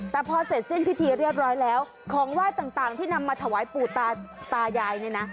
แต่พอเสร็จสิ้นพิธีเรียบร้อยแล้วของไหว้ต่างที่นำมาถวายปู่ตายายเนี่ยนะ